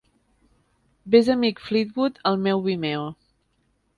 Ves a Mick Fleetwood al meu Vimeo.